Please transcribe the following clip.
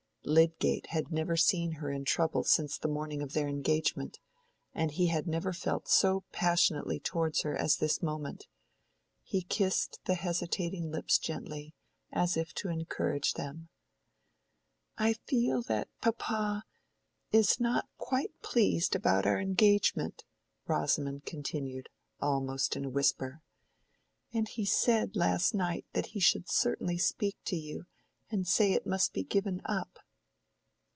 Lydgate had never seen her in trouble since the morning of their engagement, and he had never felt so passionately towards her as at this moment. He kissed the hesitating lips gently, as if to encourage them. "I feel that papa is not quite pleased about our engagement," Rosamond continued, almost in a whisper; "and he said last night that he should certainly speak to you and say it must be given up."